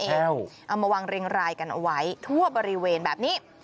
เอามาวางเรียงรายกันเอาไว้ทั่วบริเวณแบบนี้